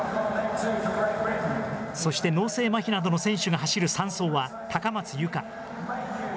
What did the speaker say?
そして脳性まひなどの選手が走る３走は、高松佑圭。